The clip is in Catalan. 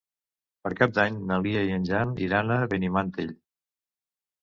Per Cap d'Any na Lia i en Jan iran a Benimantell.